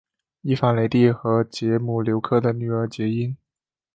伊凡雷帝和捷姆留克的女儿结姻。